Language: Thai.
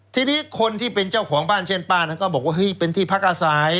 ทีนี้คนที่เป็นเจ้าของบ้านเช่นป้านั้นก็บอกว่าเฮ้ยเป็นที่พักอาศัย